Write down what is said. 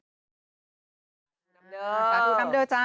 สวัสดีคุณอำเดอร์